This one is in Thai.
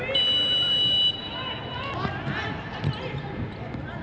สวัสดีครับ